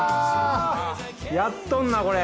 やっとんなこれ。